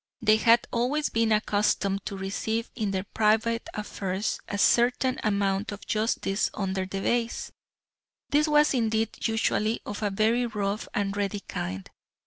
They had always been accustomed to receive in their private affairs a certain amount of justice under the Beys. This was indeed usually of a very rough and ready kind.